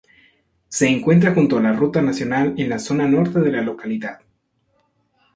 Se encuentra junto a la ruta nacional, en la zona norte de la localidad.